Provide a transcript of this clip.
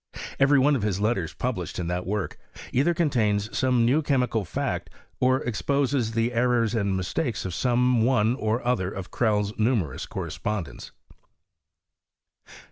Every one of his letters published in that work either contains some new chemical fact, or exposes the errors and mistakes of some one or other of Crell's numerous corre spondents.